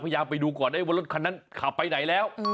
พยายามไปดูก่อนได้ว่ารถคันนั้นขับไปไหนแล้ว